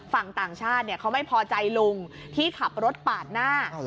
ต่างชาติเขาไม่พอใจลุงที่ขับรถปาดหน้า